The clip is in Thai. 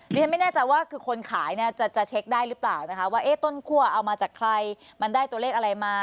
ดิฉันไม่แน่ใจว่าคือคนขายเนี่ยจะเช็คได้หรือเปล่านะคะว่าต้นคั่วเอามาจากใครมันได้ตัวเลขอะไรมา